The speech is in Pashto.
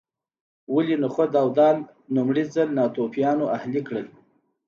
ولې نخود او دال لومړي ځل ناتوفیانو اهلي کړل